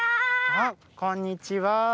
あっこんにちは。